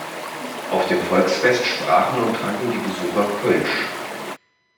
Auf dem Volksfest sprachen und tranken die Besucher Kölsch.